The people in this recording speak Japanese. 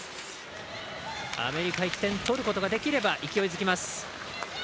アメリカ１点取ることができれば勢いづきます。